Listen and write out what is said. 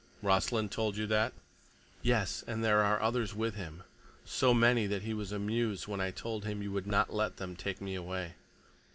"Rossland told you that?" "Yes. And there are others with him, so many that he was amused when I told him you would not let them take me away."